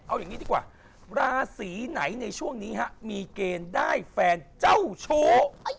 เอาอย่างนี้ดีกว่าราศีไหนในช่วงนี้ฮะมีเกณฑ์ได้แฟนเจ้าชู้